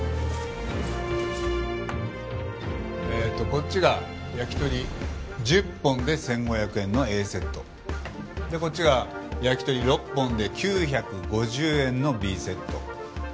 こっちが焼き鳥１０本で１５００円のＡセット。でこっちが焼き鳥６本で９５０円のＢセット。